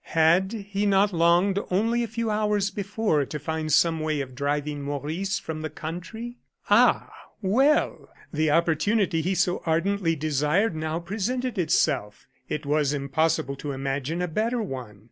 Had he not longed only a few hours before to find some way of driving Maurice from the country? Ah, well! the opportunity he so ardently desired now presented itself. It was impossible to imagine a better one.